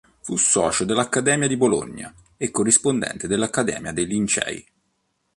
Fu socio dell'Accademia di Bologna e corrispondente dell'Accademia dei Lincei.